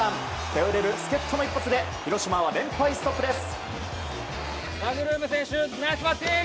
頼れる助っ人の一発で広島は連敗ストップです！